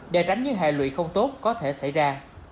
để tránh những hệ lụy không tốt có thể xảy ra